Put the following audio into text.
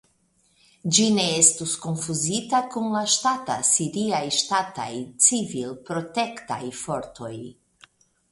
Ĝi ne estu konfuzita kun la ŝtataj siriaj ŝtataj civilprotektaj fortoj.